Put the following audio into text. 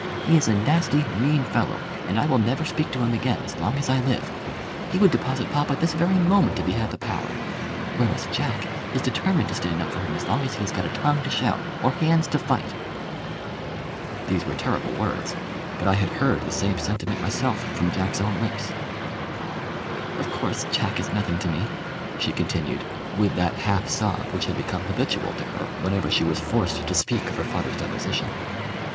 He is a nasty mean fellow, and I will never speak to him again as long as I live. He would deposit papa this very moment if he had the power. Whereas Jack is determined to stand up for him as long as he has got a tongue to shout or hands to fight." These were terrible words, but I had heard the same sentiment myself from Jack's own lips. "Of course Jack is nothing to me," she continued, with that half sob which had become habitual to her whenever she was forced to speak of her father's deposition.